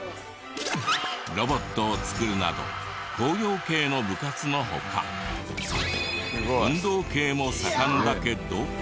ロボットを作るなど工業系の部活の他運動系も盛んだけど。